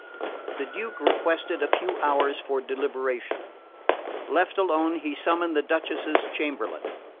The Duke requested a few hours for deliberation. Left alone, he summoned the Duchess's chamberlain.